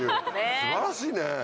素晴らしいね。